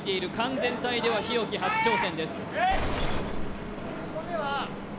全体では日置初挑戦です